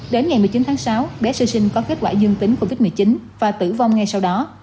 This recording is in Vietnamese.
đến ngày một mươi chín tháng sáu bé sơ sinh có kết quả dương tính covid một mươi chín và tử vong ngay sau đó